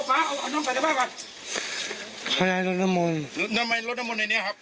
คร่าววิทย์เป็นซึ้งอื่มให้เราโดยช้าเคยสมบูรณ์นะครับ